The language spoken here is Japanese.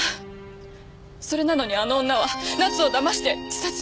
それなのにあの女は奈津をだまして自殺に追い込んだ。